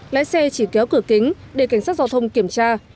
lái xe chỉ kéo cửa kính để cảnh sát giao thông kiểm tra